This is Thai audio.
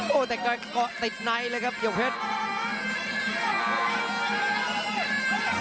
โอ้แต่ก็ติดในเลยครับหยกเพชร